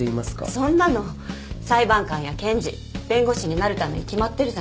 そんなの裁判官や検事弁護士になるために決まってるじゃないですか。